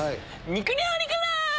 肉料理から！